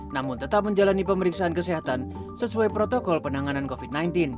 namun tetap menjalani pemeriksaan kesehatan sesuai protokol penanganan covid sembilan belas